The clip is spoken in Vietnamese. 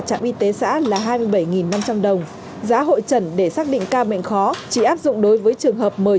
trạm y tế xã là hai mươi bảy năm trăm linh đồng giá hội trần để xác định ca bệnh khó chỉ áp dụng đối với trường hợp mời